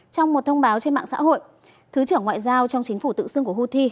trong một thông báo trên mạng xã hội thứ trưởng ngoại giao trong chính phủ tự xưng của houthi